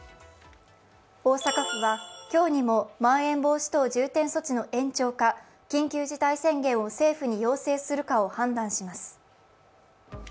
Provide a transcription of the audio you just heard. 大阪府は今日にもまん延防止等重点措置の延長か緊急事態宣言を政府に要請するかを判断します。